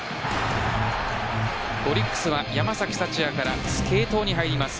オリックスは山崎福也から継投に入ります。